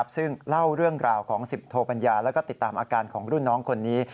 ซึ่งเล่าเรื่องราวของ๑๐โทปัญญาแล้วก็ติดตามอาการของรุ่นน้องคนนี้